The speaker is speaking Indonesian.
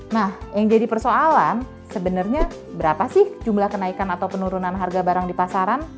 nah yang jadi persoalan sebenarnya berapa sih jumlah kenaikan atau penurunan harga barang di pasaran